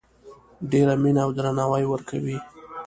ډیره مینه او درناوی ورکوي